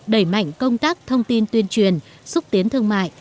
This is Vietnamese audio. đẩy mạnh công tác thông tin tuyên truyền xúc tiến thương mại